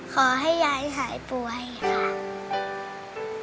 ขอให้ยายหายป่วยค่ะ